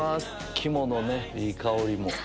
肝のねいい香りも。